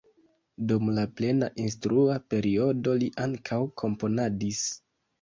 Dum la plena instrua periodo li ankaŭ komponadis.